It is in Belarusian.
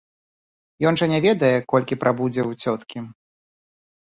Ён жа не ведае, колькі прабудзе ў цёткі.